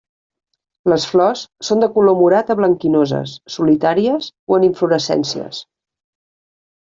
Les flors són de color morat a blanquinoses, solitàries o en inflorescències.